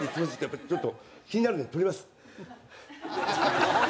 やっぱりちょっと気になるんで取ります。